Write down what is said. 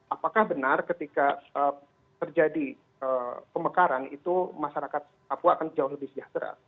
apakah benar ketika terjadi pemekaran itu masyarakat papua akan jauh lebih sejahtera